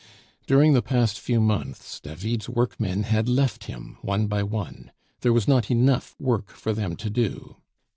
During the past few months David's workmen had left him one by one; there was not enough work for them to do.